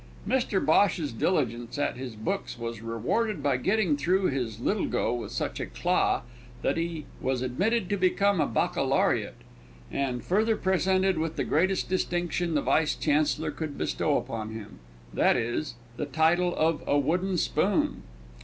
_ Mr Bhosh's diligence at his books was rewarded by getting through his Little go with such éclat that he was admitted to become a baccalaureate, and further presented with the greatest distinction the Vice Chancellor could bestow upon him, viz., the title of a Wooden Spoon!